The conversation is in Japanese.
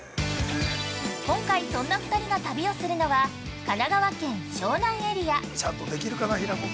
今回そんな２人が旅をするのは、神奈川県・湘南エリア。